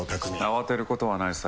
慌てることはないさ